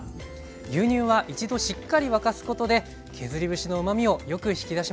牛乳は一度しっかり沸かすことで削り節のうまみをよく引き出しましょう。